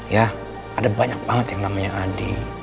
ya ada banyak banget yang namanya adi